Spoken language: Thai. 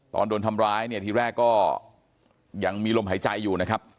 ตอนโดนทำร้ายเนี่ยทีแรกก็ยังมีลมหายใจอยู่นะครับ